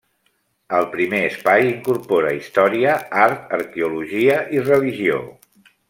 El primer espai incorpora història, art, arqueologia i religió.